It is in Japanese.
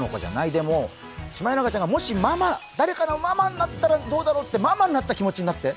でも、シマエナガちゃんが誰かのママになったらどうだろうって、ママになった気持ちになって。